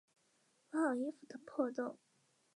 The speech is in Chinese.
补好衣服的破洞